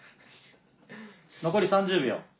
残り３０秒。